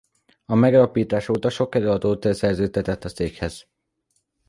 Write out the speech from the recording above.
A megalapítás óta sok előadót szerződtetett a céghez.